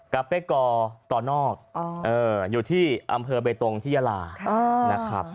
กาเฟ่กอตอนนอกอยู่ที่อำเภอเบตรงที่ยาลา